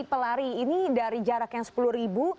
pelari ini dari jarak yang sepuluh ribu